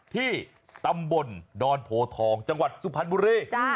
ที่ตำบลดอนโพทองจังหวัดสุพรรณบุรี